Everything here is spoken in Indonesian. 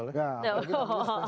apalagi kalau tamu ini spesial